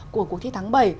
của cuộc thi tháng bảy